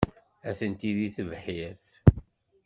Atenti deg tebḥirt.